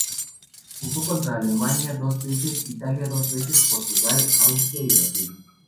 Jugó contra Alemania dos veces, Italia dos veces, Portugal, Austria y Brasil.